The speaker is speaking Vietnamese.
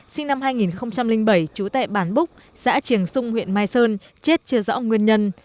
sinh năm hai nghìn bảy trú tại bản búc xã triềng xung huyện mai sơn chết chưa rõ nguyên nhân